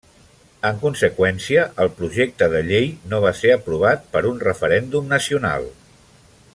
En conseqüència, el projecte de llei no va ser aprovat per un referèndum nacional.